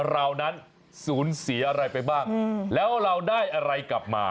เรานั้นสูญเสียอะไรไปบ้างแล้วเราได้อะไรกลับมา